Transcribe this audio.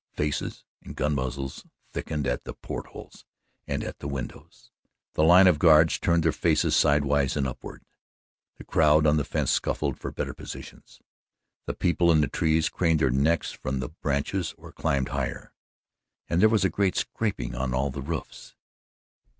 Faces and gun muzzles thickened at the port holes and at the windows; the line of guards turned their faces sidewise and upward; the crowd on the fence scuffled for better positions; the people in the trees craned their necks from the branches or climbed higher, and there was a great scraping on all the roofs.